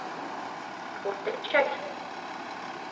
Пуртет чай?